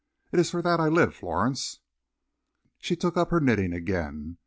It is for that I live, Florence." She took up her knitting again.